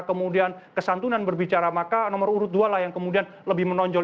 kemudian kesantunan berbicara maka nomor urut dua lah yang kemudian lebih menonjol